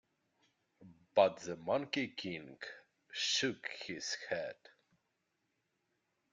But the Monkey King shook his head.